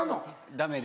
ダメで。